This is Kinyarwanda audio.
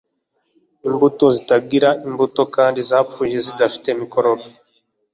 imbuto zitagira imbuto kandi zapfuye zidafite mikorobe